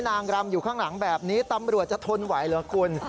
นางรำอยู่ข้างหลังแบบนี้ตำรวจจะทนไหวเหรอคุณ